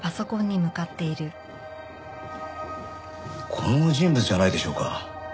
この人物じゃないでしょうか。